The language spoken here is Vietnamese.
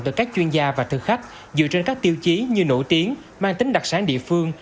từ các chuyên gia và thực khách dựa trên các tiêu chí như nổi tiếng mang tính đặc sản địa phương